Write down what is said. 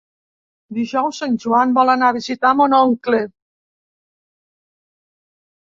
Dijous en Joan vol anar a visitar mon oncle.